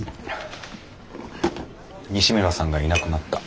西村さんがいなくなった。